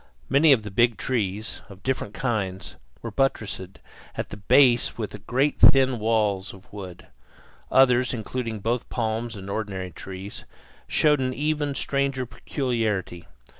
Many of the big trees, of different kinds, were buttressed at the base with great thin walls of wood. Others, including both palms and ordinary trees, showed an even stranger peculiarity.